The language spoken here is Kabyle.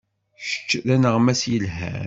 Kečč d aneɣmas yelhan.